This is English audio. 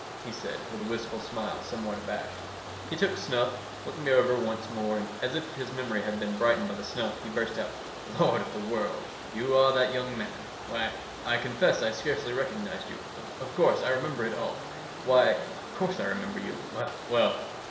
he said, with a wistful smile, somewhat abashed. He took snuff, looked me over once more, and, as if his memory had been brightened by the snuff, he burst out: "Lord of the World! You are that young man! Why, I confess I scarcely recognize you. Of course I remember it all. Why, of course I remember you. Well, well!